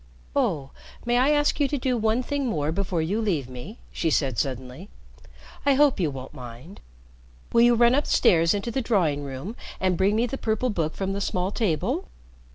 "Oh, may I ask you to do one thing more before you leave me?" she said suddenly. "I hope you won't mind. Will you run up stairs into the drawing room and bring me the purple book from the small table?